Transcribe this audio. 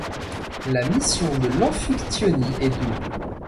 La mission de l'Amphictyonie est double.